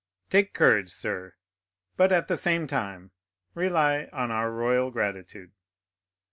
Take courage, sir; but at the same time rely on our royal gratitude."